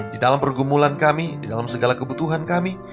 di dalam pergumulan kami di dalam segala kebutuhan kami